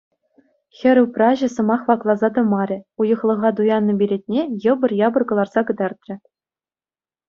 Хӗр упраҫӗ сӑмах вакласа тӑмарӗ — уйӑхлӑха туяннӑ билетне йӑпӑр-япӑр кӑларса кӑтартрӗ.